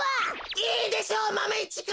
いいでしょうマメ１くん！